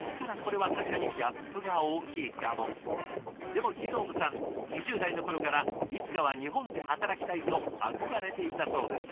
でもギヨームさん２０代の頃からいつかは日本で働きたいと憧れていたそうです。